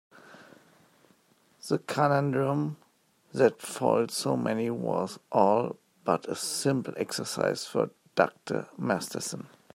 The conundrum that foiled so many was all but a simple exercise for Dr. Masterson.